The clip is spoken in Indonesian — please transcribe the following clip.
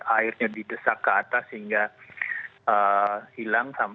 airnya didesak ke atas sehingga hilang